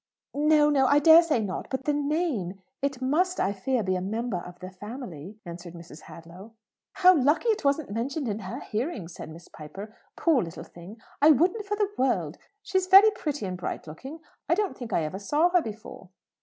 "No, no; I dare say not. But the name it must, I fear, be a member of the family," answered Mrs. Hadlow. "How lucky it wasn't mentioned in her hearing," said Miss Piper. "Poor little thing, I wouldn't for the world ! She's very pretty and bright looking. I don't think I ever saw her before."